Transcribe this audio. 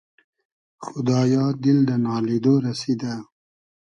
خودایا دیل دۂ نالیدۉ رئسیدۂ